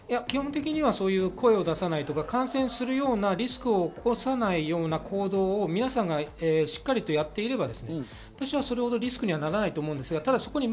基本的には声を出さない、感染するようなリスクを起こさないような行動を皆さんがしっかりやっていれば、それほどリスクにならないと思います。